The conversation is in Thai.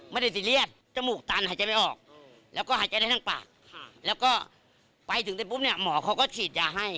ไปถึงแต่ปุ๊บนี่หมอเขาก็ฉีดยาให้